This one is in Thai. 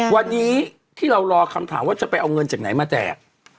วันนี้ที่เรารอคำถามว่าจะไปเอาเงินจากไหนมาแจก